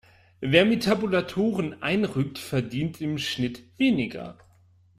Wer mit Tabulatoren einrückt, verdient im Schnitt weniger.